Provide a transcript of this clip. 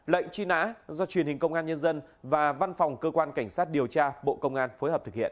lệnh truy nã do truyền hình công an nhân dân và văn phòng cơ quan cảnh sát điều tra bộ công an phối hợp thực hiện